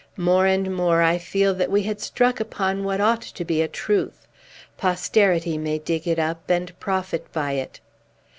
More and more I feel that we had struck upon what ought to be a truth. Posterity may dig it up, and profit by it.